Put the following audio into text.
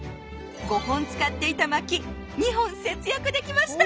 ５本使っていたまき２本節約できました！